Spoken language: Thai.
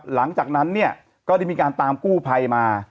หลังจากนั้นเนี่ยก็ได้มีการตามกู้ภัยมา